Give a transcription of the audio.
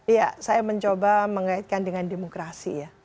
iya saya mencoba mengaitkan dengan demokrasi ya